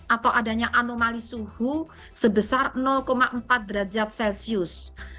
atau adanya anomali suhu sebesar empat derajat celcius